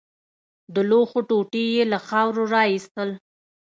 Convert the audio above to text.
د لوښو ټوټې يې له خاورو راايستل.